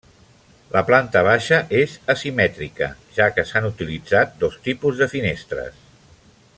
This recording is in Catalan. La planta baixa és asimètrica, ja que s'han utilitzat dos tipus de finestres.